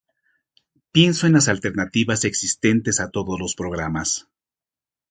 Pienso en las alternativas existentes a todos los programas